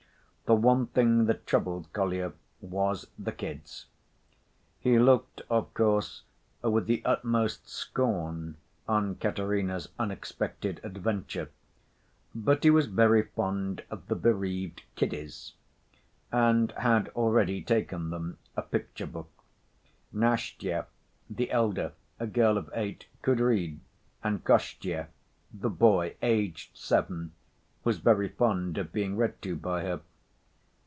The one thing that troubled Kolya was "the kids." He looked, of course, with the utmost scorn on Katerina's unexpected adventure, but he was very fond of the bereaved "kiddies," and had already taken them a picture‐book. Nastya, the elder, a girl of eight, could read, and Kostya, the boy, aged seven, was very fond of being read to by her.